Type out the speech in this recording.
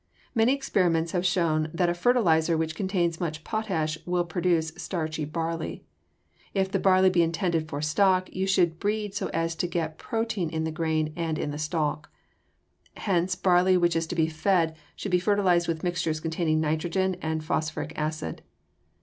Many experiments have shown that a fertilizer which contains much potash will produce starchy barley. If the barley be intended for stock, you should breed so as to get protein in the grain and in the stalk. Hence barley which is to be fed should be fertilized with mixtures containing nitrogen and phosphoric acid.